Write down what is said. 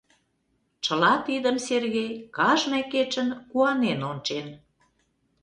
Чыла тидым Сергей кажне кечын куанен ончен.